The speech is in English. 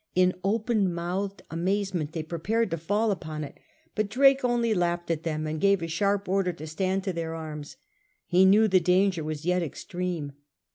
In open mouthed amazement they prepared to fall upon it, but Drake only laughed at them and gave a sharp order to stand to their arms. He knew the danger was yet extreme.